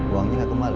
uangnya gak kembali